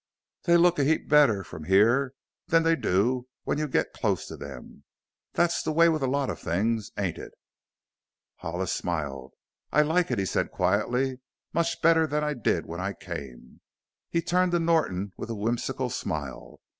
They look a heap better from here than they do when you get close to them. That's the way with lots of things, ain't it?" Hollis smiled. "I like it," he said quietly, "much better than I did when I came." He turned to Norton with a whimsical smile.